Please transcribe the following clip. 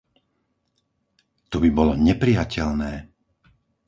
To by bolo neprijateľné.